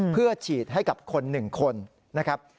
เพื่อฉีดให้กับคน๑คนนะครับ